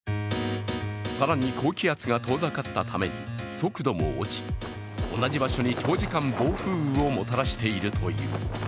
更に高気圧が遠ざかったために、速度も落ち同じ場所に長時間暴風雨をもたらしているという。